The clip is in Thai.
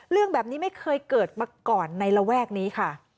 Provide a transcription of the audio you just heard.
เรื่องแบบนี้ไม่เคยเกิดมาก่อนในระแวกนี้ค่ะ